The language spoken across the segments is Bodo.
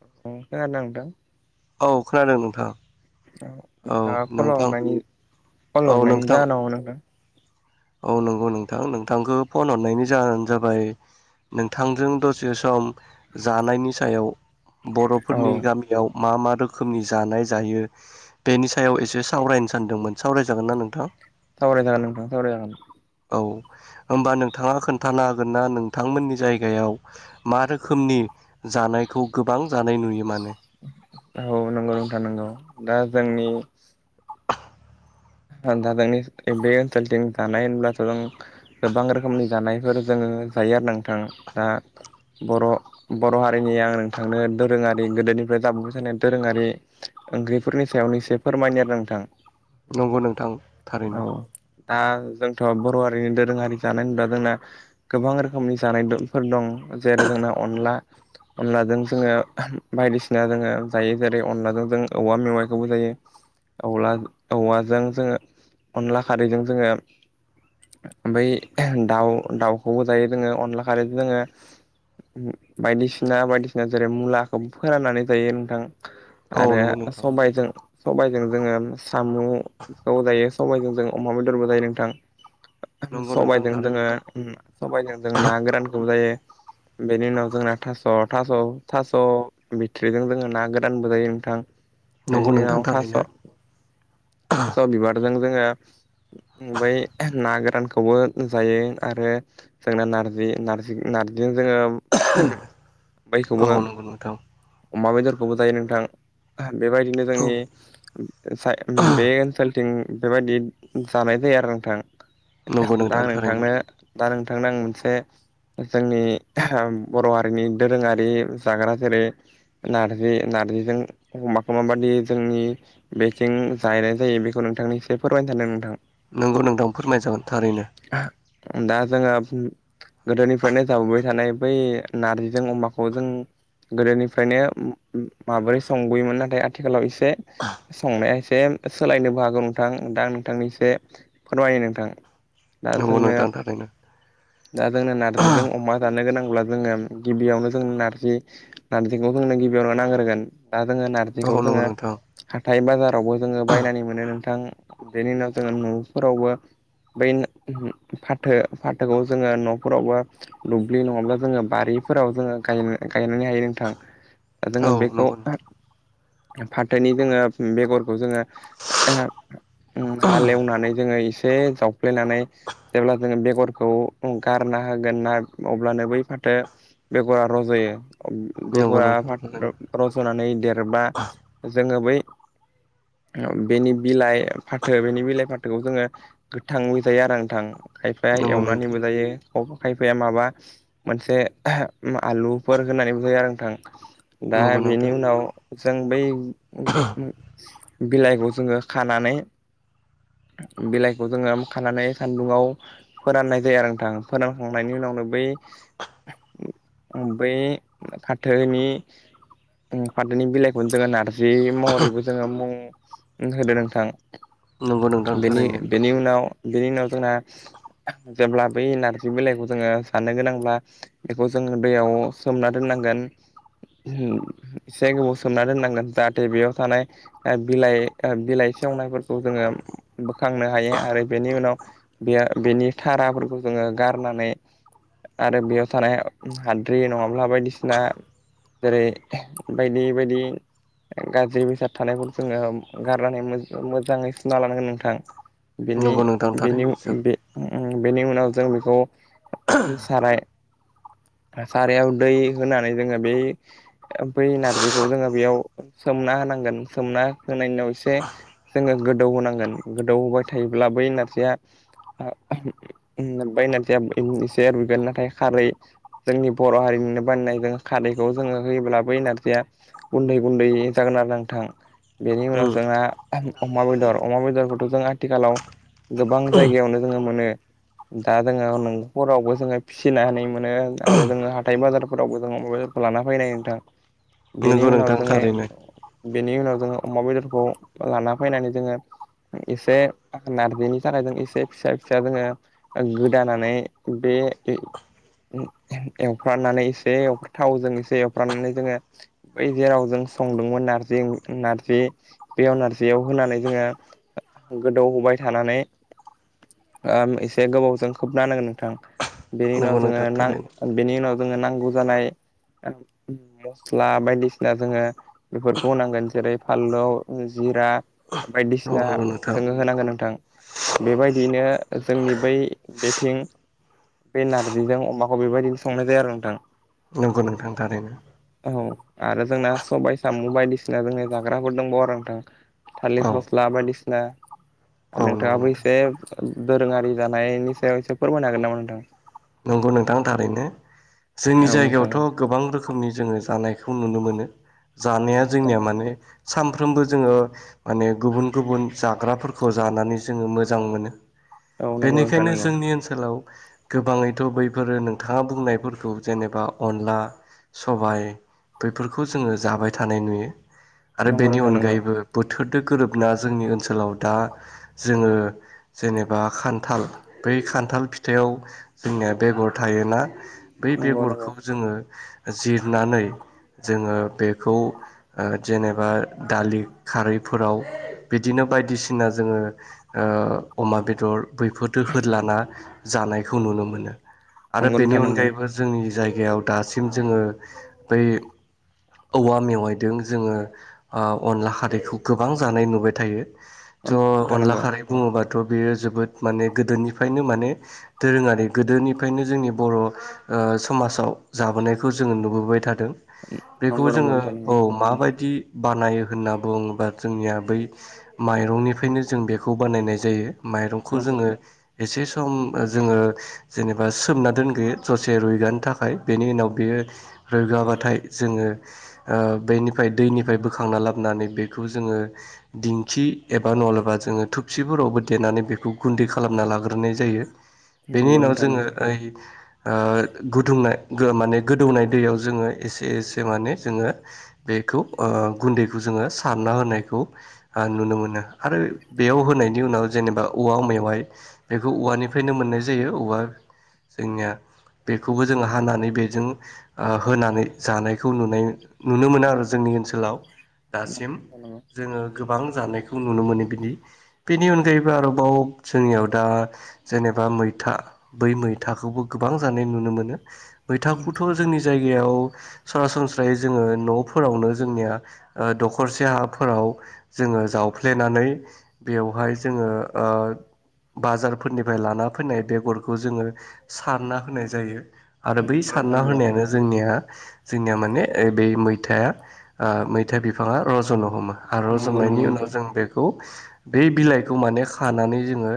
औ खोनादोंना नोंथां औ खोनादों नोंथां औ नोंथाङा खल नोंथां हरनायनि खल औ हरनायनि नोंथां जानांगौ नोंथां औ नंगौ नोंथां नोंथांखौ फन हरनायनि जाहोनानो जाबाय नोंथांजों दसे सम जानायनि सायाव औ बर'फोरनि गामियाव मा मा रोखोमनि जानाय जायो बेनि सायाव एसे सावरायनो सानदोंमोन सावरायजागोन ना नोंथां सावराय जागोन नोंथां सावराय जागोन औ होमबा नोंथांङा खोन्थानो हागोन ना नोंथांमोननि जायगायाव मा रोखोमनि जानायखौ गोबां जानाय नुयो मानो औ नंगौ नोंथां नांगौ दा जोंनि दा जोंनि बे ओनसोलथिं जानाय होनब्लाथ' जों गोबां रोखोमनि जानायफोर जोंङो जायो आरो नोंथां दा बर' हारिनि आं नोंथांनो दोरोंङारि गोदो निफ्राय जाबोबाय थानाय दोरोंङारि ओंख्रिफोरनि सायावनो एसे फोरमायनो आरोना नोंथां नंगौ नोंथां औ थारैनो दा जोंथ' बर' हारिनि दोरोङारि जानाय ना जोंना गोबां रोखोमनि जानायफोर दं जेरै जोंना अनला अनलाजों जोंङो बायदिसिना जोंङो जायो जेरै अनलाजों जों औवा मेवाइखौबो जायो औवाजों जोंङो अनला खारैजों जोंङो ओमफ्राय दाउ दाउखौबो जायो जोंङो अनला खारैजों जोंङो बायदिसिना बायदिसिना जेरै मुलाखौ फोराननानै जायो नोंथां औ आरो नंगौ नोंथां सबायजों सबायजों जोंङो साम'खौ जायो सबायजों जों अमा बेदरबो जायो नोंथां। नंगौ नोंथां सबायाइजों थारैनो जोंङो सबायजों जों ना गोरानखौबो जायो। [inaudible] बेनि उनाव जोंना थास' थास' थास' बिथ्रिजों जोंङो ना गोदानबो जायो नोंथां। नंगौ बेनि नोंथां उनाव थास' थारैनो थास' बिबारजों जोंङो। बै ना गोरानखौबो जायो आरो जोंना नारजि नारजि नारजिजों। जोंङो औ बायखौबो नंगौ नोंथां अमा बेदरखौबो जायो नोंथां बेबायदिनो औ जोंनि सलथिं बेबायदि जानाय जायो आरो नोंथां नंगौ दा नोंथां आं थारैनो नोंथांनो दा नोंथांनो आं मोनसे जोंनि बर' हारिनि दोरोंङारि जाग्रा जेरै नारजि नारजिजों एखमबा माबादि जोंनि बेथिं जाहैनाय जायो बेखौ नोंथांनि एसे फोरमायनो सानदों नोंथां। नोंगौ नोंदांनो फोरमाय जागोन थारैनो दा जोंङो गोदोनिफ्रायनो जाबोबाय थानाय बै नार्जिजों अमाखौ जों गोदोनिफ्रायनो माबोरै संबोयोमोन नाथाय आथिखालाव एसे एसे संनाया एसे सोलायनोबो हागौ नोंथां दा नोंथांनिसे फोरमायोायो नोंथां। दा नंगौ जोंनो नोंथां थारैनो दा जोंनो नारजिजों अमा जानो गोनां अब्ला जोंङो गिबियावनो जों नारजि नारजिखौ जोंनो गिबियावनो नांग्रोगोन दा जोंङो औ नारजिखौ नंगौ जोंङो नोंथां हाथाय बाजारावबो जोंङो बायनानै मोनो नोंथां। बेनि उनाव न' फोरावबो बै फाथो फाथोखौ जोंङो न'फोरावबो दुब्लि नंङाब्ला जोंङो बारि बेफोराव जोंङो गायनो गायनानै हायो नोंथां औ जोंङो बेखौ नंगौ नोंथां फाथोनि जोंङो बेगर खौ जोंङो हालेवनानै जोङो एसे जावफ्लेनानै जेब्ला जोङो बेगरखौ गारना होगोन ना अब्लानो बै फाथो बेगरा रजायो नंगौ बेगरा नोंथां थारैनो रज'नानै देरबा जोङो बै बेनि बिलाइ फाथो बेनि बिलाइ फाथोखौ जोङो गोथां मजायो आरो नोंथां। खायफाया नंगौ नोंथां एवनानैबो जायो खायफाया माबा मोनसे आलुफोर होननानैबो जायो आरो नोंथां। दा नंगौ नोंथां बेनि उनाव जों बै बिलाइखौ जोङो खानानै बिलाइखौ जोङो खानानै सान्दुंङाव फोराननाय जायो आरो नोंथां फोरानखांनायनि उनाव आंनो बै बै फाथोनि फाथोनि बिलाइखौनो जोगोन आरो जि महरैबो जोङो मुं होदो नोंथां। नंगौ नोंथां बेनि थारैनो बेनि उनाव बेनि उनाव जोंना जेब्ला बै नारजि बिलाइखौ जोङो साननो गोनांब्ला बेखौ जोंङ दैयाव सोमना दोनां एसे गोबाव सोमना दोननांगोन जाहाथे बेयाव थानाय। बिलाइ बिलाइ सेवनायफोरखौ जोङो बोखांनो हायो आरो बेनि उनाव बे बेनि थखराफोरखौ जोङो गारनानै आरो बेयाव थानाय हाद्रि जेरै बायदि बायदि गाज्रि बेसाद थानायखौ जोङो गारनानै मोजाङै सुना लानांगोन नोंथां। बेनि नंगौ नोंथां बेनि थारैनो जोब बे बेनि उनाव जों सारायाव दै होनानै जोङो बे बै नारजिखौ जोङो बेयाव सोमना होनांगोन सोमना होनायनिाव एसे जोङो गोदौ होनांगोन गोदौ होबाय थायोब्ला बै नारजिया। बाय नारजिया एसे रुयगोन नाथाय खारै जोंनि बर हारिनि बिनो बानायनाय जोङो खारैखौ जोङो होयोब्लाबो नारजिया गुन्दै गुन्दै जागोन आरो नोंथां। बेनि उनाव उम जोंहा अमा बेदर अमा बेदरखौथ' जों आथिखालाव। गोबां जायगायावनो जोङो मोनो। दा जोङो नोंखरावबो जोङो फिसि मोनो आरो जोङो हाथाय बाजारफोरावबो जोङो। मबाइल लाना फैनाय नोंथां बेनि नंगौ उनाव नोंथां जोङो। थारैनो बेनि उनाव जोङो अमा बेदरखौ लाना फैनानै जोङो। एसे नारजिनि थाखायजों एसे फिसा फिसा जोङो गोदानानै बे। बे एवफ्रनानै एसे थावजों एसे एवफ्रनानै जोङो बै जेरावजों। संदोंमोन नारजि नारजि बेयाव नारजियाव होनानै जोङो। गोदौहोबाय थानानै एसे गोबावजों खोबनाानांगोन नोंथां बेनि नंगौ उनाव नोंथां जोङो थारैनो बेनि उनाव। जोङो नांगौ जानाय मस्ला बायदिसिना जोङो। बेफोरखौ होनांगोन जेरै फानलौ जिरा औ बायदिसिना नंगौ नोंथां जोङो होनांगोन नोंथां। बेबायदियैनो जोंनि बै आथिं बे नारजिजों अमाखौ बेबायदिनो संनाय जायो आरो नोंथां। नोंगौ नोंथांथारनो औ आरो जोंना सबायाइ साम' बायदिसिना जोंनि जाग्राफोर दंबाव आरो नोंथां। औ थालिर फस्ला बायदिसिना औ नंगौ नोंथाङाबो नोंथां एसे। दोरोङारि जानायनि सायाव एसे फोरमायनो हागोन नामा नोंथां। नंगौ नोंथां थारैनो। जोंनि औ नोंथां जायगायावथ गोबां रोखोमनि जोङो जानायखौ नुनो मोनो। जानाया जोंनिया माने। सानफ्रोमबो जोङो माने गुबुन गुबुन जाग्राफोरखौ जानानै जोङो मोजां मोनो। औ नंगौ नोंथां बेनिखायनो नंगौ जोंनि ओनसोलाव गोबाङै। थ' बैफोरो नोंथाङा बुंनायफोरखौ जेनेबा अनला, सबाइ बैफोरखौ जोङो जाबाय थानाय नुयो आरो नंगौ बेनि नोंथां नंगौ अनगायैबो बोथोर दो गोरोबना जोंनि ओनसोलाव दा जोङो जेनेबा खान्थाल बै खान्थाल फिथायाव जोंनिया बेगर थायोना बै नंगौ नंगौ बेगरखौ जोङो। जिरनानै जोङो बेखौ जेनेबा दालि खारैफोराव बिदिनो। बायदिसिना जोङो अमा बेदर बैफोरफोरखौ होलाना जानाय खौ नुनो मोनो आरो नंगौ बेनि नोंथां नंगौ अनगायैबो जोंनि। जायगायाव दासिम जोङो बै औवा मेवायदों जोङो अनला खारैखौ गोबां जानाय नुबाय थायो। थ' नंगौ नोंथां अनला नंगौ खारै बुङोबाथ' बेयो जोबोद माने गोदोनिफ्रायनो माने दोरोङारि गोदोनिफ्रायनो जोंनि बर' समाजाव जाबोनायखौ जोङो नुबोबाय थादों। बेखौ नंगौ नंगौ नोंथां जोङो औ नंगौ मा बायदि बानायो होनना बुङोबा जोंनिया बै माइरंनिफ्रायनो जों बेखौ बानायनाय जायो। माइरंखौ जोङो एसे सम जोङो जेनेबा सोमना दोनग्रोयो। दसे रुयगानो थाखाय बेनि उनाव बेयो रोगाबाथाय जोङो बेनिफ्राय दैनिफ्राय बोखांना लाबोन। बेखौ जोङो दिंखि एबा नलेबा जोङो थुबसिफोरावबो देनानै बेखौ गुन्दै। खालामना लाग्रोनाय जायो बेनि उनाव जोङो ओइ गुदुंनाय माने गोदौनाय दैयाव जोङो एसे एसे माने जोङो बेखौ गुन्दैखौ जो ङो सारना होनायखौ नुनो मोन आरो बेयाव होनायनि उनाव जेनेबा औवा मे वाइ बेखौ औवानिफ्रायनो मोननाय जायो औवा जोंनिया बेखौबो जोङो हानानै बेजों होनानै जानायखौ नुनाय नुनो मोनो आरो जोंनि। जों ओनसोलाव दासिम नंगौ नंगौ जोङो गोबां जानायखौ नुनो मोनो बिदि बेनि अनगायैबो आरोबाव जोंनियाव दा जेनेबा मै था बै मैथाखौबो गोबां जानाय नुनो मोनो मैखौथ' जोंनि जाय गायाव सरासनस्रायै जोङो न'फोरावनो जोंनिया दखरसे हाफोराव जोङो जावफ्लेनानै बेवहाय जोङो बाजारफोरनिफ्राय लाना फैनाय बेगरखौ जोङो सारना होनाय जायो आरो बै सारना नोंथां नंगौ होनायानो जोंनिया जोंनिया माने ब मैथाया मैथा बिफाङा रजनो हमो आरो नंगौ नोंथां नंगौ रज'नायनि नोंथां नंगौ उनाव जों बेखौ बे बिलाइखौ माने खानानै जोङो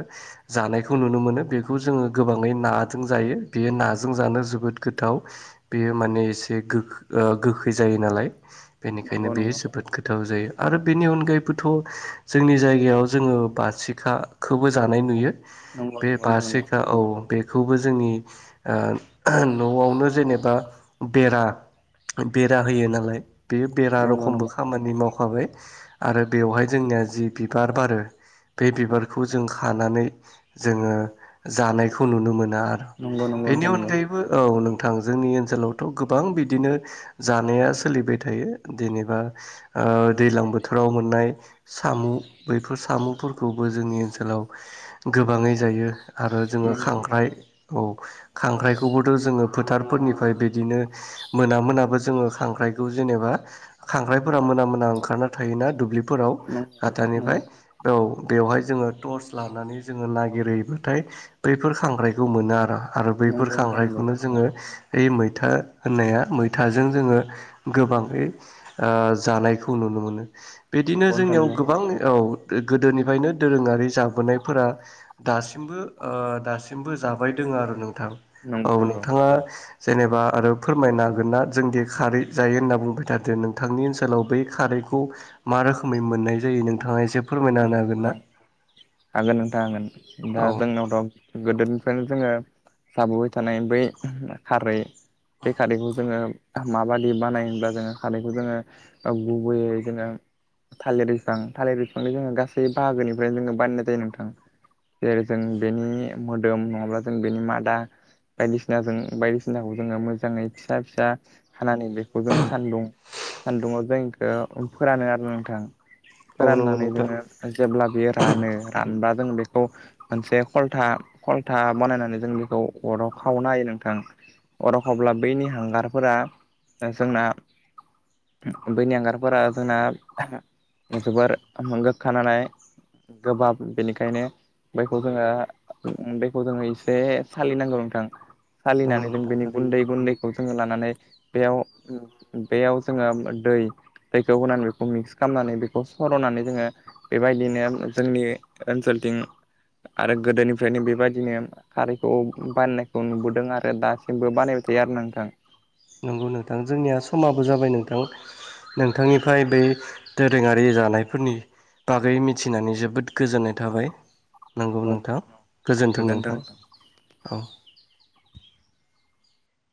जानायखौ नुनो मोनो बेखौ जोङो गोबाङै नाजों जायो बेयो नाजों जानो जोबोद गोथाव बेयो माने एसे बेयो गो गोखै जायो नालाय बेनिखायनो बेयो जोबोद गोथाव जायो। आरो बेनि अनगायैबोथ' जोंनि जायगायाव जोङो बाथिखाखौबो जानाय नुयो नंगौ नंग बासिखा औ बेखौबो जोंनि न'आवनो जेनेबा बेरा बेरा होयो नालाय बे बेरा नंगौ रखमबो खामानि मावख फाबाय आरो बेवहाय जोंनिया जि बिबार बारो बे बिबारखौ जों खानानै जोङो जानायखौ नुनो मोनो नंगौ नोंथां नंगौ नंगौ बेनि नोंथां नंगौ अनगायैबो औ नों थां जोंनि ओनसोलावथ' गोबां बिदिनो जानाया सोलिबाय थायो जेनेबा दैलां बोथोराव मोननाय साम' बैफोर साम'फोरखौबो जोंनि ओनसोलाव गोबाङै जायो आरो जोङो नंगौ खांख्राइ औ खांख्राइखौबोथ' जोङो फोथारफोरनिफ्राय बे बिदिनो मोना मोनाबो जोङो खांख्राइखौ जेनेबा खांख्राइफोरा मोना मोना ओंखारना थायोना दुब्लि फोराव नंगौ नंगौ नोंथां नंगौ गाथानिफ्राय नंगौ बे बेवहाय जोङो टर्स लानानै जोङो नागिरहैबो नाथाय बैफोर खांख्रायखौ मोनो आरो आरो नंगौ नंगौ नोंथां नंगौ बैफोर नोंथां नंगौ खांख्रायखौनो जोङो मैथा होननाया मैथाजों जोङो गोबाङै ओ जानायखौ नु नो मोनो बिदिनो जोंनियाव गोबां औ गोदोनिफ्रायनो दोरोङारि जाबोनायफोरा दासिम दासिमबो ओ दासिमबो जाबाय दङ' आरो नोंथां औ नंगौ नोंथाङा जेनेबा आरो फोरमायनो हागोन ना जोंदि खारै जायो होनना बुंबाय थादो नोंथांनि ओनसोलाव बै खारै खौ मा रोखै मोननाय जायो नोंथाङा इसे औ नोंथां हागोन नोंथां हागोन। औ दा जोंनावथ' गोदोनिफ्रायनो जोङो जाबोबाय थानाय बै खारै बे खारैखौ जोङो माबादि बानायो होनब्ला जोङो खारैखौ जोङो गुबैयै जोङो थालिर बिफां थालिर बिफांनो जोङो गासै बाहागोनिफ्रायनो जोङो बानायनाय जायो नोंथां। जेरै जों बेनि मोदोम नङाब्ला जों बेनि मादा बायदिसिनाजों बायदिसिनाखौ जोङो मोजाङै फिसा फिसा हानानै बेखौ जोङो सान्दुं सान्दुंङआव जोंखौ फोरानो आरो नोंथां। औ नंगौ फोराननानै नोंथां। जोङो जेब्ला बेयो रानो रानबा जों बेखौ मोनसे खलथा खलथा बानायनानै जों खौ अराव खावनाय हायो नोंथां। अराव खावब्ला बैनि हांगारफोरा जोंना बैनि हांगारफोरा जोंना जोबोर गोखा नालानाय गोबाब बेनिखायनो बेखौ जोङो बेखौ जोङो इसे सालिनांगौ नोंथां। नंगौ सालिनानै जों नोंथां बेनि थारैनो गुन्दै गुन्दैखौ जोङो लानानै बेयाव बेयाव जोङो दै दैखौ होनानै बेखौ मिक्स खामनानै बेखौ सर'नानै जोङो बेबायदिनो जोंनि ओनसोलथिं आरो गोदोनिफ्रायनो बेबायदिनो खारैखौ बानायनायखौ नुबोदों आरो दासिमबो बानायबाय थायो आरो नोंथां नंगौ नोंथां जोंनिया समाबो जाबाय नों थां नोंथांनिफ्राय बै दोरोङारि जानायफोरनि बागै मिथिनानै जोबोद गोजोननाय थाबाय। नोंगौ औ नोंथां औ गोजोनथों नोंथां औ